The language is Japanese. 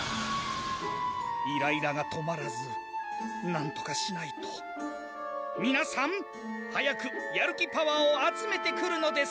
イライラが止まらずなんとかしないと皆さん早くやる気パワーを集めてくるのです！